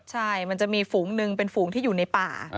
ใช่มันจะมีฝูงหนึ่งเป็นฝูงที่อยู่ในป่า